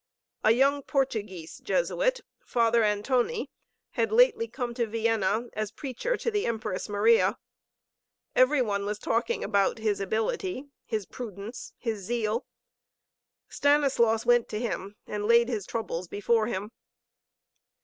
A young Portuguese Jesuit, Father Antoni, had lately come to Vienna as preacher to the Empress Maria. Every one was talking about his ability, his prudence, his zeal. Stanislaus went to him, and laid his troubles before him.